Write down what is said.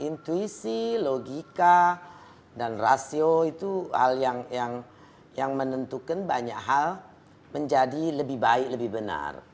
intuisi logika dan rasio itu hal yang menentukan banyak hal menjadi lebih baik lebih benar